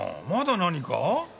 まだ何か？